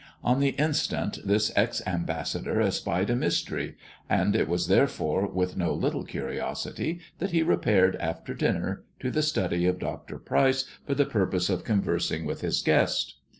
On the instant this ex ambassador espied a mystery ; and it was therefore with no little curiosity that he repaired after dinner to the study of Dr. Pryce for the purpose of conversing with his guest.